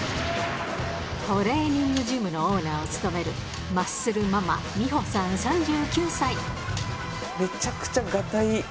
トレーニングジムのオーナーを務めるマッスルママ、めちゃくちゃガタイ。